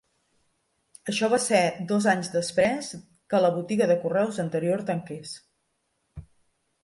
Això va ser dos anys després que la botiga de correus anterior tanqués.